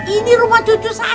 ini rumah cucu saya